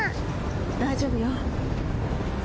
大丈夫よ。